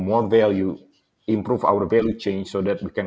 membuat lebih banyak nilai